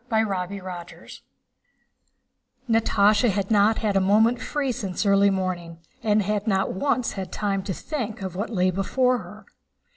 CHAPTER XV Natásha had not had a moment free since early morning and had not once had time to think of what lay before her.